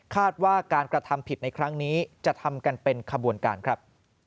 ว่าการกระทำผิดในครั้งนี้จะทำกันเป็นขบวนการครับ